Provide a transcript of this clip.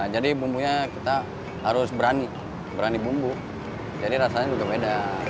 jadi bumbunya kita harus berani berani bumbu jadi rasanya juga beda